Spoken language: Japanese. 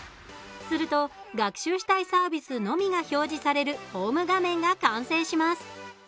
すると学習したいサービスのみが表示されるホーム画面が完成します。